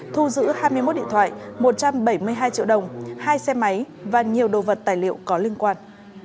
thu giữ hai mươi một điện thoại một trăm bảy mươi hai triệu đồng hai xe máy và nhiều đồ vật tài liệu có liên quan